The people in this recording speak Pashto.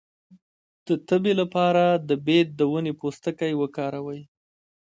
د تبې لپاره د بید د ونې پوستکی وکاروئ